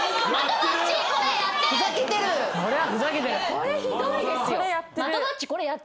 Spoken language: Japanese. これひどいですよ。